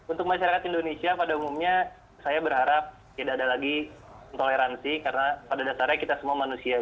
untuk masyarakat indonesia pada umumnya saya berharap tidak ada lagi toleransi karena pada dasarnya kita semua manusia